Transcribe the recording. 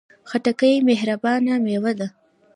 خټکی مهربانه میوه ده.